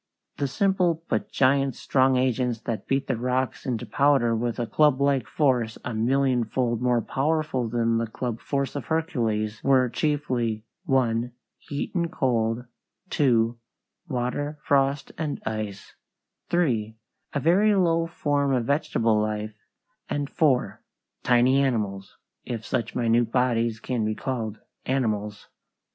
The simple but giant strong agents that beat the rocks into powder with a clublike force a millionfold more powerful than the club force of Hercules were chiefly (1) heat and cold; (2) water, frost, and ice; (3) a very low form of vegetable life; and (4) tiny animals if such minute bodies can be called animals.